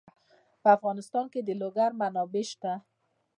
په افغانستان کې د لوگر منابع شته.